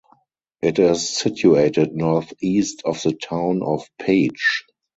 It is situated northeast of the town of Page.